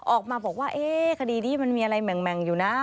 ออกมาบอกว่าคดีนี้มันมีอะไรแหม่งอยู่นะ